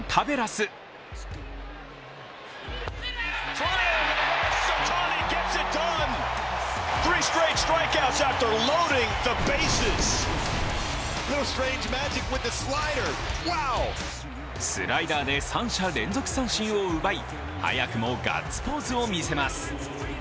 スライダーで三者連続三振を奪い早くもガッツポーズを見せます。